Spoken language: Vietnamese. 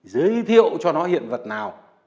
giới thiệu cho nó hiện vật nào